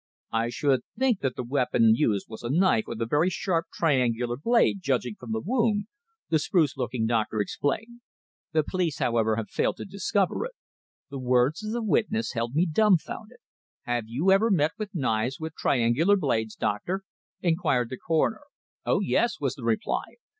"I should think that the weapon used was a knife with a very sharp, triangular blade judging from the wound," the spruce looking doctor explained. "The police, however, have failed to discover it." The words of the witness held me dumbfounded. "Have you ever met with knives with triangular blades, doctor?" inquired the coroner. "Oh, yes!" was the reply.